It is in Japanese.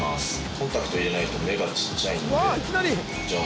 コンタクト入れないと目がちっちゃいんでじゃあ